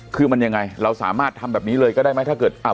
คือมันยังไงเราสามารถทำแบบนี้เลยก็ได้ไหมถ้าเกิดอ่า